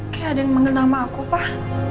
kayak ada yang mengenal nama aku pak